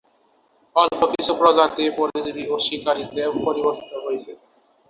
অল্প কিছু প্রজাতি পরজীবী ও শিকারীতে পরিবর্তীত হয়েছে।